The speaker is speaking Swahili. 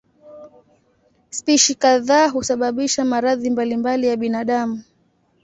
Spishi kadhaa husababisha maradhi mbalimbali ya binadamu.